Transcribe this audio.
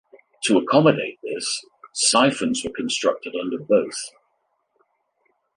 To accommodate this, syphons were constructed under both.